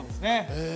へえ！